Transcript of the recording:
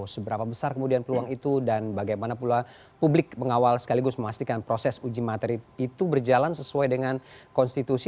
seberapa besar kemudian peluang itu dan bagaimana pula publik pengawal sekaligus memastikan proses uji materi itu berjalan sesuai dengan konstitusi